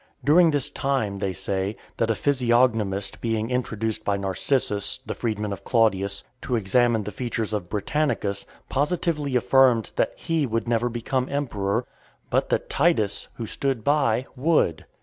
During this time, they say, that a physiognomist being introduced by Narcissus, the freedman of Claudius, to examine the features of Britannicus , positively affirmed that he would never become emperor, but that Titus, who stood by, would.